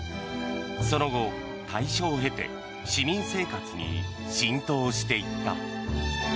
その後、大正を経て市民生活に浸透していった。